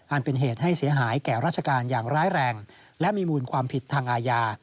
เป็นเหตุให้เสียหายแก่ราชการอย่างร้ายแรงและมีมูลความผิดทางอาญา